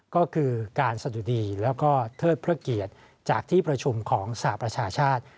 ก็คือการสะดุดีแล้วก็เทิดพระเกียรติจากที่ประชุมของสหประชาชาติ